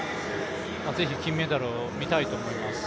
是非金メダルを見たいと思います。